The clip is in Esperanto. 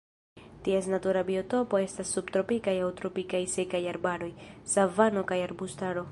Ties natura biotopo estas subtropikaj aŭ tropikaj sekaj arbaroj, savano kaj arbustaro.